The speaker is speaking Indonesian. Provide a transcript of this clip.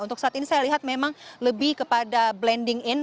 untuk saat ini saya lihat memang lebih kepada blending in